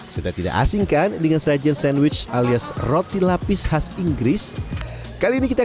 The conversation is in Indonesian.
sudah tidak asing kan dengan sajian sandwich alias roti lapis khas inggris kali ini kita